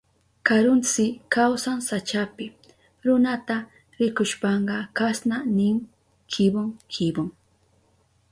Karuntsi kawsan sachapi. Runata rikushpanka kasna nin: kibon kibon.